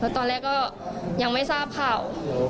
ตอนแรกก็ยังไม่ทราบข่าว